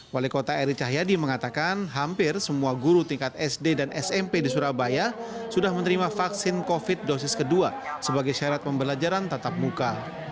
wali kota eri cahyadi mengatakan hampir semua guru tingkat sd dan smp di surabaya sudah menerima vaksin covid dosis kedua sebagai syarat pembelajaran tatap muka